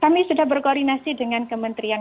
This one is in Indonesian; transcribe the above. kami sudah berkoordinasi dengan kementerian